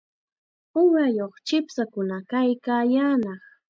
Uwayuq chipshakuna kaykaayaanaq.